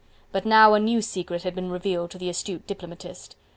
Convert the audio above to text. But now a new secret had been revealed to the astute diplomatist.